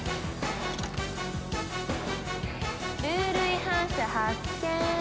ルール違反者発見！